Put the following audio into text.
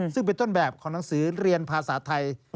ซึ่งเป็นต้นแบบของหนังสือเรียนภาษาไทย